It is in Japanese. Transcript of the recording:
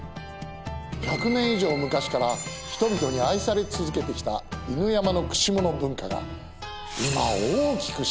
１００年以上昔から人々に愛され続けてきた犬山の串もの文化が今大きく進化！